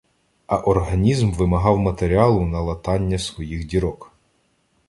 А організм вимагав "матеріалу” на латання своїх дірок.